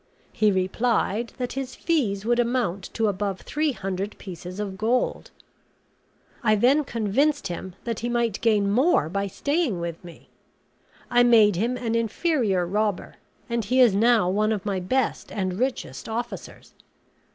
He replied, that his fees would amount to above three hundred pieces of gold. I then convinced him that he might gain more by staying with me. I made him an inferior robber; and he is now one of my best and richest officers.